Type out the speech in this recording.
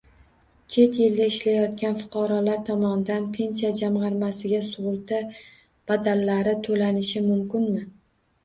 Chet elda ishlayotgan fuqarolar tomonidan Pensiya jamg‘armasiga sug‘urta badallari to‘lanishi mumkinmi?